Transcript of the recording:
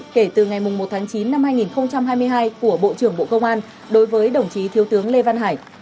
kể từ ngày một tháng chín năm hai nghìn hai mươi hai của bộ trưởng bộ công an đối với đồng chí thiếu tướng lê văn hải